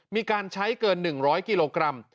มีการใช้เกิน๑๐๐กิโลกรัม